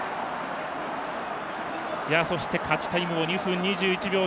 そして勝ちタイムも２分２１秒９。